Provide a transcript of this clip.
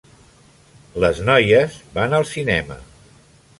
Les noies van al cinema.